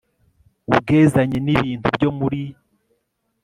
ubwezanye n ibintu byo muri